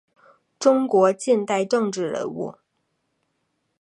中国近代政治人物。